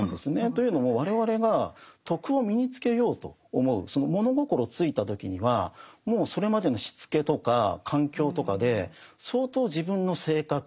というのも我々が「徳」を身につけようと思うその物心ついた時にはもうそれまでのしつけとか環境とかで相当自分の性格